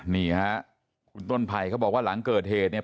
นี่ฮะคุณต้นไผ่เขาบอกว่าหลังเกิดเหตุเนี่ย